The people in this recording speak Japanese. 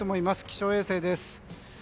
気象衛星です。